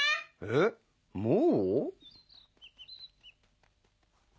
えっもう？